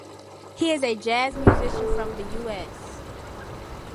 He is a jazz musician from the US.